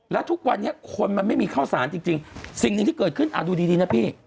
แล้วทุกวันนี้คนมันไม่มีข้าวสารจริงสิ่งหนึ่งที่เกิดขึ้นดูดีนะพี่